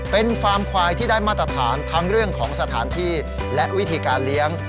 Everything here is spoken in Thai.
เป็นฟาร์มควายที่ได้มาตรฐานทั้งเรื่องของสถานที่และวิธีการเลี้ยง